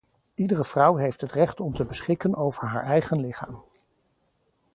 Iedere vrouw heeft het recht om te beschikken over haar eigen lichaam.